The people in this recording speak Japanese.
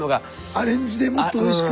アレンジでもっとおいしく。